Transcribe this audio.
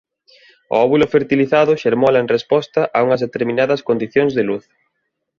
O óvulo fertilizado xermola en resposta a unhas determinadas condicións de luz.